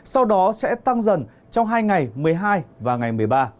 sau đó sẽ tăng dần trong hai ngày một mươi hai và ngày một mươi ba